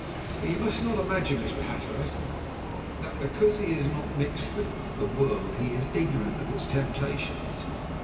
But you must not imagine, Mr. Hatteras, that because he has not mixed with the world he is ignorant of its temptations.